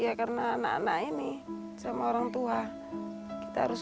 ya karena anak anak ini sama orang tua kita harus